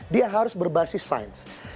dia harus berbasis sains